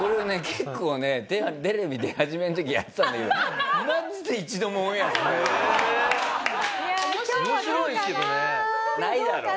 結構ねテレビ出始めの時やってたんだけどないだろ。